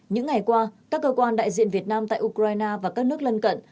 những ngày qua các cơ quan đại diện việt nam tại ukraine và các nước lân cận